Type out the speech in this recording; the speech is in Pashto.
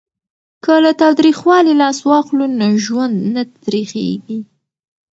که له تاوتریخوالي لاس واخلو نو ژوند نه تریخیږي.